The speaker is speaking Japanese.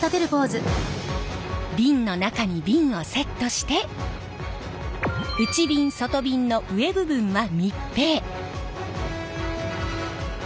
瓶の中に瓶をセットして内びん外びんの上部分は密閉。